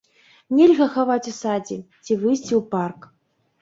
Нельга хаваць у садзе, ці выйсці ў парк.